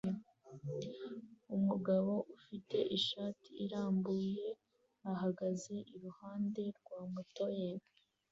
Umugabo ufite ishati irambuye ahagaze iruhande rwa moto ye